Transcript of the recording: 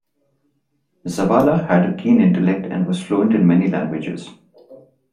Zavala had a keen intellect and was fluent in many languages.